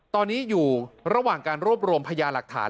ตอนนี้อยู่ระหว่างการรวบรวมพยาหลักฐาน